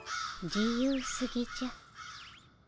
自由すぎじゃ。